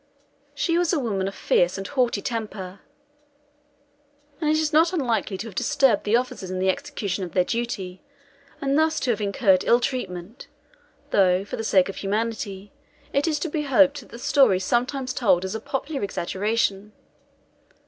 She was a woman of fierce and haughty temper, and is not unlikely to have disturbed the officers in the execution of their duty, and thus to have incurred ill treatment, though, for the sake of humanity, it is to be hoped that the story sometimes told is a popular exaggeration.